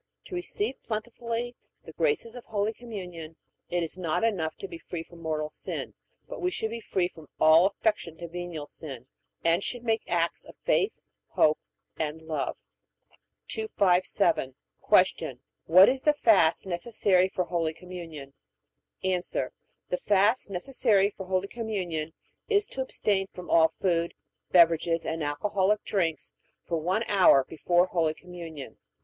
To receive plentifully the graces of Holy Communion it is not enough to be free from mortal sin, but we should be free from all affection to venial sin, and should make acts of faith, hope, and love. 257. Q. What is the fast necessary for Holy Communion? A. The fast necessary for Holy Communion is to abstain from all food, beverages, and alcoholic drinks for one hour before Holy Communion.